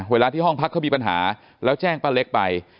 เวลาที่ห้องพักเขามีปัญหาแล้วแจ้งป้าเล็กไป